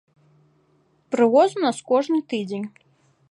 Прывоз у нас кожны тыдзень.